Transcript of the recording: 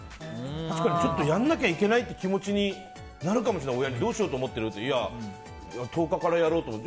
確かに、やらなきゃいけないっていう気持ちになるかもしれない、どうしようと思ってる？って言われたら１０日かからやろうと思ってる。